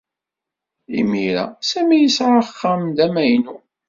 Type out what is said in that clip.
Imir-a, Sami yesɛa axxam d amaynu.